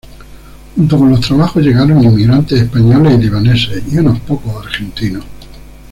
Junto con los trabajos llegaron inmigrantes españoles y libaneses, y unos pocos argentinos.